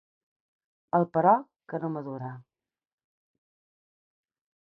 El però que no madura.